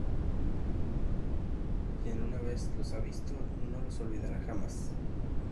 quien una vez los ha visto, no los olvidará jamás.